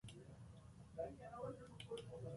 منشیان د دولت د چارو مسؤلان وو.